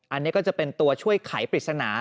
อันนี้ก็จะเป็นตัวช่วยไขปริศนา